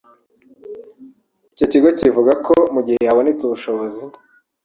Iki kigo kivuga ko mu gihe habonetse ubushobozi